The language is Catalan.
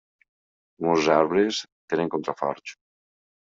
Molts arbres tenen contraforts.